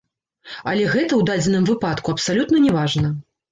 Але гэта ў дадзеным выпадку абсалютна не важна.